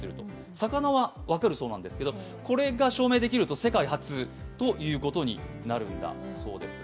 魚は分かるそうなんですけど、これが証明できれば世界初ということになるんだそうです。